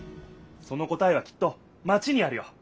その答えはきっとマチにあるよ！